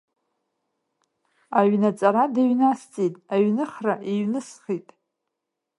Аҩнаҵарадыҩнасҵеит, аҩныхра иҩнысхит.